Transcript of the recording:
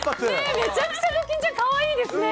めちゃくちゃドキンちゃん、かわいいですね。